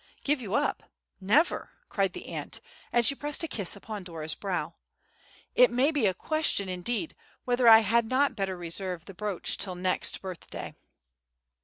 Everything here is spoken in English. "Give you up—never!" cried the aunt, and she pressed a kiss upon Dora's brow. "It may be a question, indeed, whether I had not better reserve the brooch till next birthday."